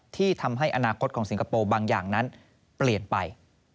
ที่ทำให้อนาคตของสิงคโปร์บางอย่างนั้นเปลี่ยนไป